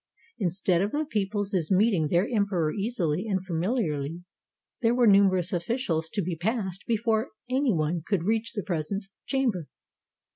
Instead of the people's meeting their emperor easily and familiarly, there were numerous officials to be passed before any one could reach the presence chamber.